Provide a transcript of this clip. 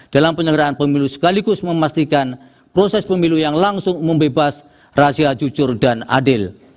dalam penyelenggaraan pemilu sekaligus memastikan proses pemilu yang langsung membebas rahasia jujur dan adil